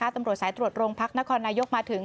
ตำรวจสายตรวจโรงพักนครนายกมาถึง